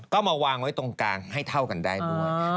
ก็มาวางไว้ตรงกลางให้เท่ากันได้ด้วย